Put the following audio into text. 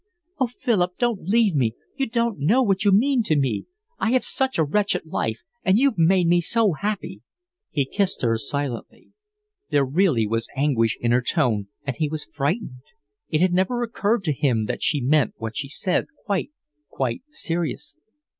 "Oh, Philip, don't leave me. You don't know what you mean to me. I have such a wretched life, and you've made me so happy." He kissed her silently. There really was anguish in her tone, and he was frightened. It had never occurred to him that she meant what she said quite, quite seriously.